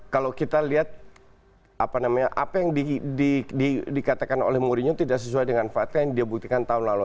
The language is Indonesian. kalau kita lihat apa yang dikatakan oleh mourinho tidak sesuai dengan fakta yang dia buktikan tahun lalu